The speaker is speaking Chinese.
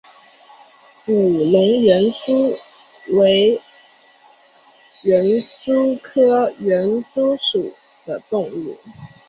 武隆园蛛为园蛛科园蛛属的动物。